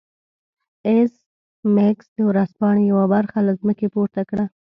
ایس میکس د ورځپاڼې یوه برخه له ځمکې پورته کړه